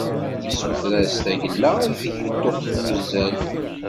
Yessuter-as tagella ideg yeṭṭuqqet wuzzal.